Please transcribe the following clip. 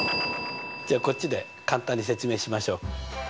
じゃあこっちで簡単に説明しましょう。